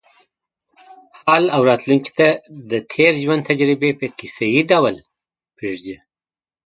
حال او راتلونکې ته د تېر ژوند تجربې په کیسه یې ډول پرېږدي.